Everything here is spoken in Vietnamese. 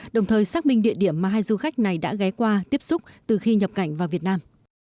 đồng thời xác minh địa điểm mà hai du khách này đã ghé qua tiếp xúc từ khi nhập cảnh vào việt nam